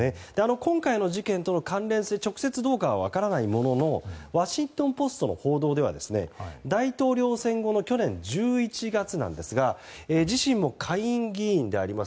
今回の事件との関連性は直接どうかは分からないもののワシントン・ポストの報道では大統領選後の去年１１月自身も下院議員であります